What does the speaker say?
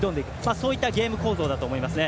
そういったゲーム構造だと思いますね。